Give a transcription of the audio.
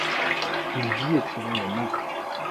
Il vit et travaille à Naples.